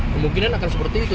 kemungkinan akan seperti itu